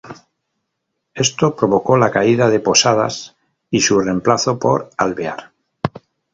Esto provocó la caída de Posadas y su reemplazo por Alvear.